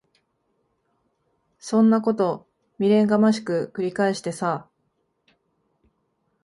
そんなこと未練がましく繰り返してさ。